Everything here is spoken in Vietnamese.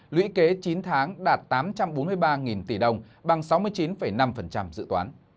lũy kế chín tháng đạt tám trăm bốn mươi ba tỷ đồng bằng sáu mươi chín năm dự toán